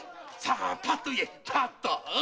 パッと言えパッと！